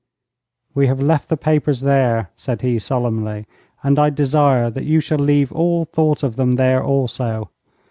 'We have left the papers there,' said he, solemnly, 'and I desire that you shall leave all thought of them there also.